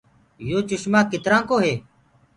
يو چشمآ ڪِتآرآ ڪو هي۔